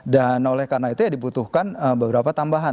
dan karena itu ya dibutuhkan beberapa tambahan